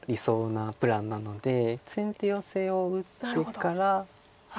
先手ヨセを見てから。